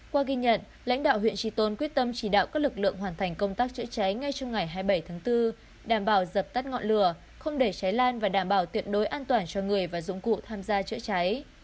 qua ghi nhận lãnh đạo huyện tri tôn quyết tâm chỉ đạo các lực lượng hoàn thành công tác chữa cháy ngay trong ngày hai mươi bảy tháng bốn đảm bảo dập tắt ngọn lửa không để cháy lan và đảm bảo tuyệt đối an toàn cho người và dụng cụ tham gia chữa cháy